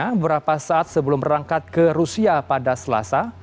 beberapa saat sebelum berangkat ke rusia pada selasa